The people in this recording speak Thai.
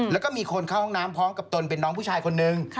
แล้วก็มีคนเข้าห้องน้ำพร้อมกับตนเป็นน้องผู้ชายคนนึง